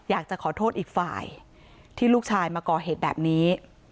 อยากจะขอโทษอีกฝ่ายที่ลูกชายมาก่อเหตุแบบนี้